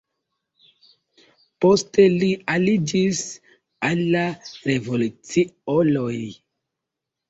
Poste li aliĝis al la revoluciuloj.